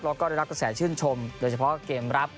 แล้วก็ได้รับกระแสชื่นชมโดยเฉพาะเกมรับ